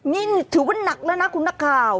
นี่ถือว่านักแล้วนะคุณนักข่าว